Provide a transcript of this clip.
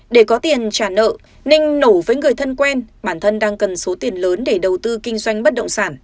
để có tiền trả nợ ninh nổ với người thân quen bản thân đang cần số tiền lớn để đầu tư kinh doanh bất động sản